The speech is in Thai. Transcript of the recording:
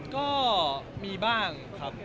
ก็มีบ้างครับ